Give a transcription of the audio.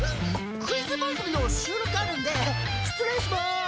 クイズ番組の収録あるんで失礼します！